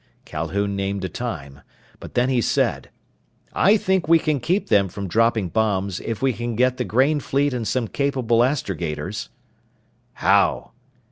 Calhoun named a time. But then he said, "I think we can keep them from dropping bombs if we can get the grain fleet and some capable astrogators." "How?"